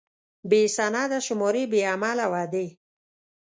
بې سنده شمارې، بې عمله وعدې.